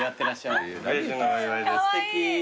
すてき。